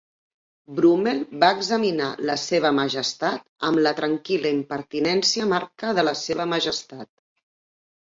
Brummell va examinar a la seva Majestat amb la tranquil·la impertinència marca de la seva Majestat.